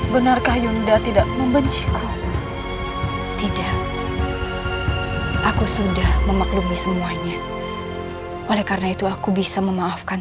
benarkah yunda tidak membenci kau tidak aku sudah memaklumi semuanya oleh karena itu aku bisa memaafkan